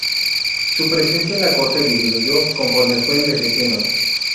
Su presencia en la corte disminuyó conforme fue envejeciendo.